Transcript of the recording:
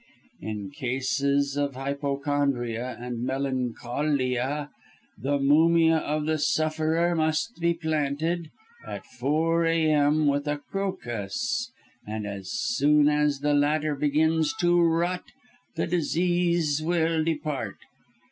"In cases of hypochondria, and melancholia, the mumia of the sufferer must be planted, at 4 a.m., with a crocus, and as soon as the latter begins to rot, the disease will depart.